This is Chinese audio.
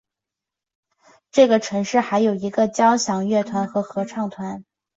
这个城市还有一个交响乐团和合唱团。